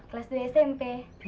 kelas dua smp